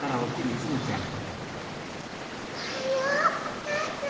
おはようおかあさん。